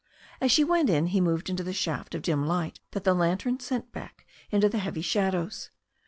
As she went in he moved into the shaft of dim light that the lantern sent back into the heavy shadows.